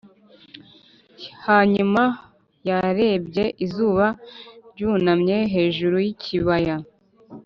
hanyuma yarebye izuba ryunamye hejuru yikibaya -